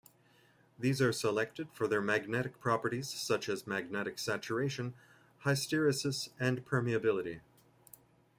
These are selected for their magnetic properties, such as magnetic saturation, hysteresis and permeability.